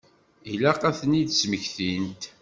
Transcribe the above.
Ilaq ad ten-id-smektint.